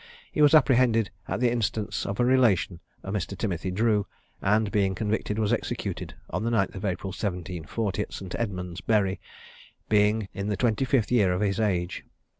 He was apprehended at the instance of a relation, a Mr. Timothy Drew, and being convicted, was executed on the 9th April, 1740, at St. Edmund's Bury, being in the twenty fifth year of his age.